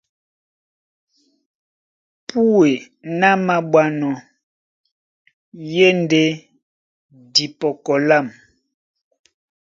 Púe ná māɓwánɔ́ í e ndé dipɔkɔ díndɛ́nɛ.